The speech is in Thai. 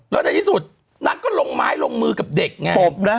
แล้วในที่สุดนางก็ลงไม้ลงมือกับเด็กไง